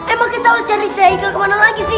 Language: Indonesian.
emang kita harus cari seikl kemana lagi sih